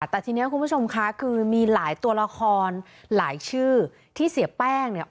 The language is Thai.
แต่ทีนี้คุณผู้ชมคะคือมีหลายตัวละครหลายชื่อที่เสียแป้งเนี่ย